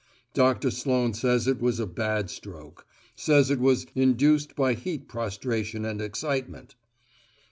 Doctor Sloane says it was a bad stroke. Says it was `induced by heat prostration and excitement.'